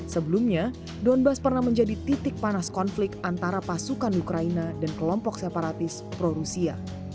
sebelumnya donbass pernah menjadi titik panas konflik antara pasukan ukraina dan kelompok separatis pro rusia